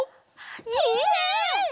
いいね！